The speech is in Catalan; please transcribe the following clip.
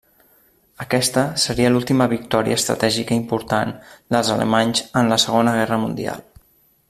Aquesta seria l'última victòria estratègica important dels alemanys en la Segona Guerra Mundial.